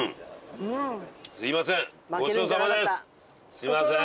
すみません！